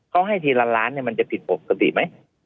เขาให้ทีละล้านมันจะผิดปกติไหม